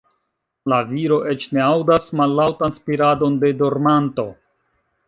La viro eĉ ne aŭdas mallaŭtan spiradon de dormanto.